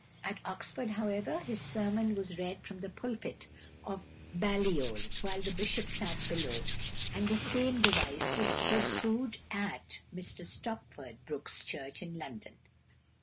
At Oxford, however, his sermon was read from the pulpit of Balliol while the Bishop sat below, and the same device was pursued at Mr Stopford Brooke's Church in London.